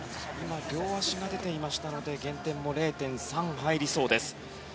両足が出ていましたので減点も０．３入りそうです。